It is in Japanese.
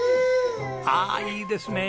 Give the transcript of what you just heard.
ああいいですね！